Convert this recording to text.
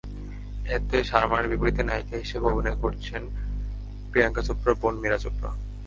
এতে শারমানের বিপরীতে নায়িকা হিসেবে অভিনয় করেছেন প্রিয়াঙ্কা চোপড়ার বোন মীরা চোপড়া।